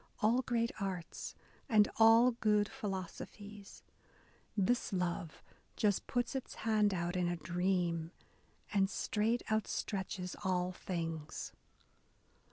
All great arts, and all good philosophies, This love just puts its hand out in a dream And straight outstretches all things.